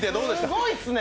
すごいっすね。